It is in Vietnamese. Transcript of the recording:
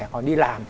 còn đi làm